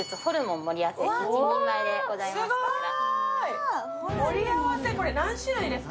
盛り合わせ、これ何種類ですか？